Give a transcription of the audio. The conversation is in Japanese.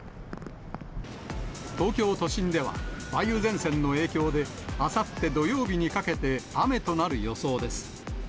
東京都心では、梅雨前線の影響で、あさって土曜日にかけて雨となる予想です。